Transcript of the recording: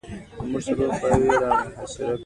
اوس غار ته نږدې سړک ختلی.